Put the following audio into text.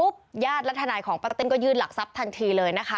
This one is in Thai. ญาติและทนายของป้าเต้นก็ยื่นหลักทรัพย์ทันทีเลยนะคะ